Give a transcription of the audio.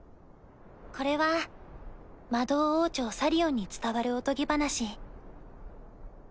これは魔導王朝サリオンに伝わるおとぎ話。